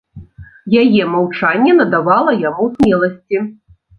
Яе маўчанне надавала яму смеласці.